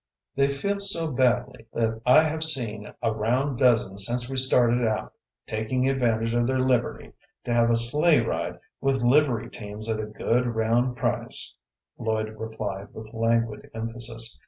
"They feel so badly that I have seen a round dozen since we started out taking advantage of their liberty to have a sleigh ride with livery teams at a good round price," Lloyd replied, with languid emphasis.